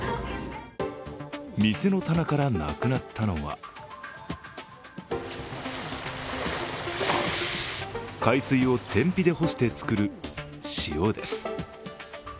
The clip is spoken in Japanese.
店の棚からなくなったのは海水を天日で干して作る塩です。